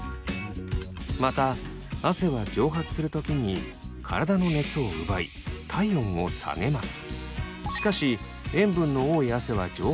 また汗は蒸発する時に体の熱を奪い体温を下げます。